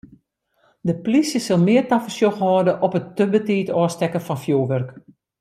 De polysje sil mear tafersjoch hâlde op it te betiid ôfstekken fan fjoerwurk.